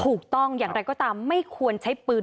ถูกต้องอย่างไรก็ตามไม่ควรใช้ปืน